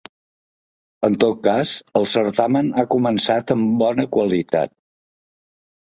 En tot cas el certamen ha començat amb bona qualitat.